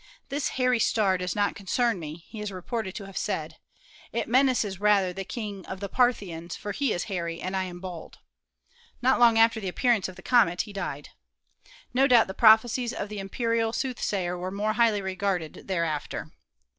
'This hairy star does not concern me," he is reported to have said; "it menaces rather the King of the Parthians, for he is hairy and I am bald." Not long after the appearance of the comet he COMETS, METEORS AND METEORITES 229 died. No doubt the prophecies of the imperial sooth sayer were more highly regarded thereafter.